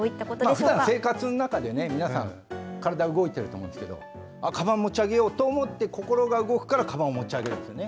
ふだん生活の中で皆さん体動いてると思うんですけどかばんを持ち上げようと思って心が動くからかばんを持ち上げるんですね。